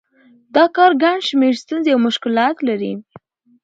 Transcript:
دا کار ګڼ شمېر ستونزې او مشکلات لري